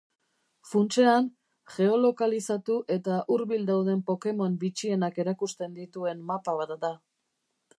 Funtsean, geolokalizatu eta hurbil dauden pokemon bitxienak erakusten dituen mapa bat da.